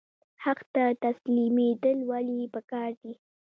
حق ته تسلیمیدل ولې پکار دي؟